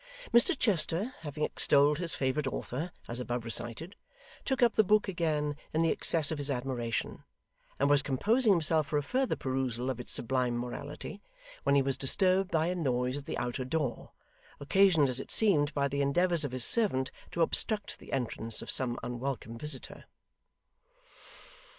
Mr Chester, having extolled his favourite author, as above recited, took up the book again in the excess of his admiration and was composing himself for a further perusal of its sublime morality, when he was disturbed by a noise at the outer door; occasioned as it seemed by the endeavours of his servant to obstruct the entrance of some unwelcome visitor.